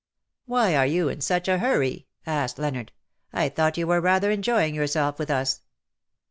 '' '^Why are you in such a hurry?'' asked Leonard. "I thought you were rather enjoying yourself with us."